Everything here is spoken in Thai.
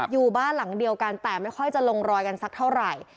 อยู่บ้านหลังเดียวกันแต่ไม่ค่อยจะลงรอยกันสักเท่าไหร่